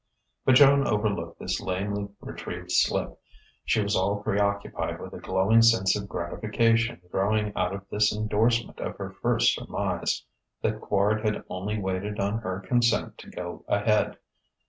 But Joan overlooked this lamely retrieved slip; she was all preoccupied with a glowing sense of gratification growing out of this endorsement of her first surmise, that Quard had only waited on her consent to go ahead.